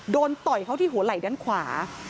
ต่อยเขาที่หัวไหล่ด้านขวา